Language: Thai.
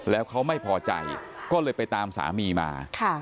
แล้วเขาไม่พอใจก็เลยไปตามสามีมา